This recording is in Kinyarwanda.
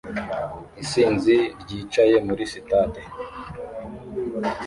Isinzi ryicaye muri stade